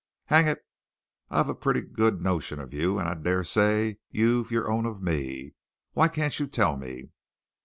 Hang it, I've a pretty good notion of you, and I daresay you've your own of me. Why can't you tell me?"